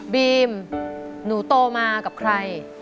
บีมหนูโตมากับใคร